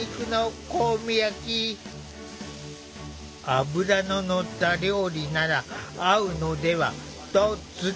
脂の乗った料理なら合うのではと作ってくれた。